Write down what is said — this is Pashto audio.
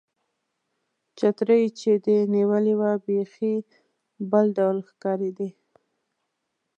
چترۍ چې دې نیولې وه، بیخي بل ډول ښکارېدې.